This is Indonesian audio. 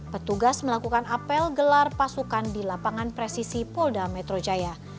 petugas melakukan apel gelar pasukan di lapangan presisi polda metro jaya